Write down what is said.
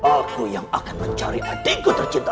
aku yang akan mencari adikku tercinta